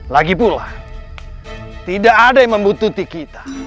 lagipula tidak ada yang membutuhkan kita